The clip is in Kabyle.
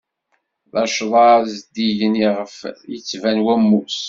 D acḍaḍ zeddigen iɣef ittban wammus.